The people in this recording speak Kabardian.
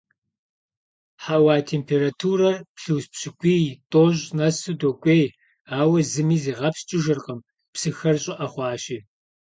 Хьэуа температурэр плюс пщӏыкӏуй–тӏощӏ нэсу докӀуей, ауэ зыми зигъэпскӀыжыркъым, псыхэр щӀыӀэ хъуащи.